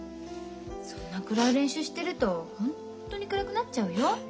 そんな暗い練習してるとホンットに暗くなっちゃうよ。